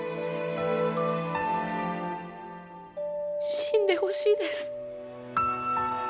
死んでほしいです。